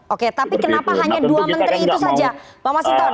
oke tapi kenapa hanya dua menteri itu saja pak mas hinton